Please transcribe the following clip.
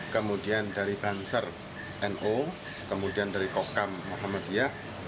kemudian dari banser no kemudian dari kokam muhammadiyah